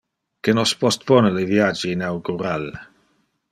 Que nos postpone le viage inaugural.